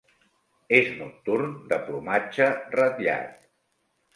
És nocturn, de plomatge ratllat.